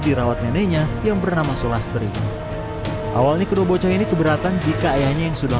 dirawat neneknya yang bernama sulastri awalnya kedua bocah ini keberatan jika ayahnya yang sudah